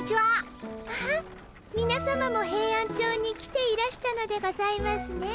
あっみなさまもヘイアンチョウに来ていらしたのでございますね。